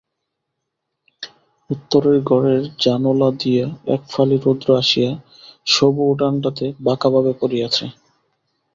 উত্তরের ঘরের জানোলা দিয়া এক ফালি রৌদ্র আসিয়া সবু উঠানটাতে বাঁকাভাবে পড়িয়াছে।